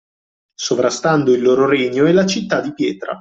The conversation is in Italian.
Sovrastando il loro regno e la città di pietra